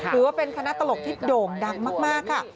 ถือว่าเป็นคณะตลกที่โด่งดังมากค่ะ